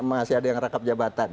masih ada yang rangkap jabatan